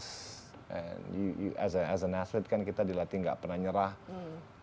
dan sebagai atlet kan kita dilatih gak pernah nyambung